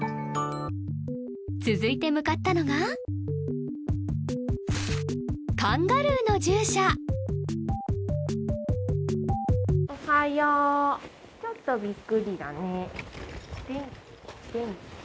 続いて向かったのがカンガルーの獣舎ちょっとびっくりだね